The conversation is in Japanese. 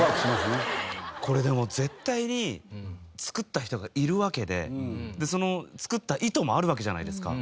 これでも絶対に作った人がいるわけで作った意図もあるわけじゃないですか。